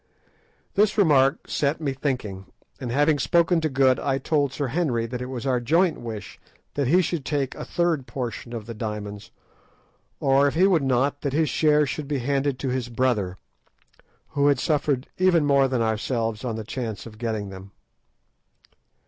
This remark set me thinking, and having spoken to Good, I told Sir Henry that it was our joint wish that he should take a third portion of the diamonds, or, if he would not, that his share should be handed to his brother, who had suffered even more than ourselves on the chance of getting them.